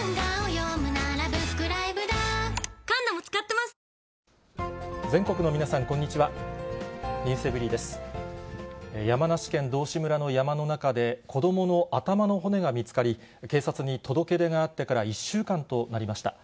山梨県道志村の山の中で、子どもの頭の骨が見つかり、警察に届け出があってから１週間となりました。